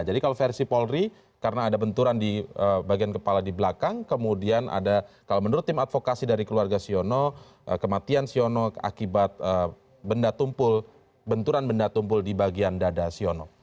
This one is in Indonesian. jadi kalau versi polri karena ada benturan di bagian kepala di belakang kemudian ada kalau menurut tim advokasi dari keluarga siono kematian siono akibat benturan benda tumpul di bagian dada siono